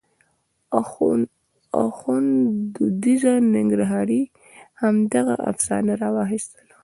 اخوند دروېزه ننګرهاري همدغه افسانه راواخیستله.